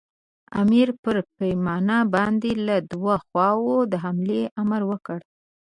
امیر پر مېمنه باندې له دوو خواوو د حملې امر وکړ.